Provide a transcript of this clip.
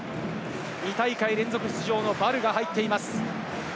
２大会連続出場のヴァルが入っています。